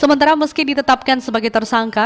sementara meski ditetapkan sebagai tersangka